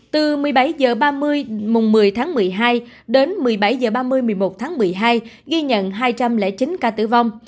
từ một mươi bảy h ba mươi một mươi tháng một mươi hai đến một mươi bảy h ba mươi một mươi một tháng một mươi hai ghi nhận hai trăm linh chín ca tử vong